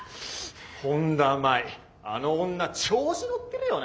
本田麻衣あの女調子乗ってるよな。